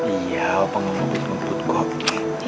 iya opa gak ngebut ngebut kok